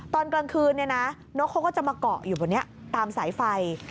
ตอนกลางคืนนกเขาก็จะมาเกาะอยู่บนนี้ตามสายไฟ